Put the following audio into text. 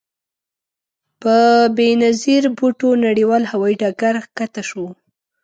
په بې نظیر بوټو نړیوال هوايي ډګر کښته شوو.